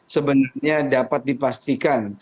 sebenarnya dapat dipastikan